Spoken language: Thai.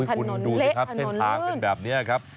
คุณดูสิครับเส้นทางเป็นแบบนี้ครับ